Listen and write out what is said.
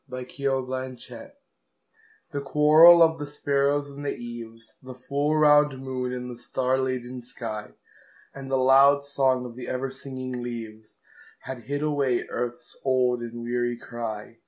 Yeats 1865 1939 The quarrel of the sparrows in the eaves, The full round moon and the star laden sky, And the loud song of the ever singing leaves, Had hid away earth's old and weary cry.